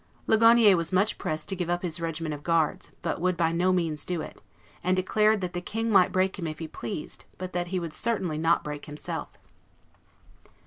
Ligonier was much pressed to give up his regiment of guards, but would by no means do it; and declared that the King might break him if he pleased, but that he would certainly not break himself.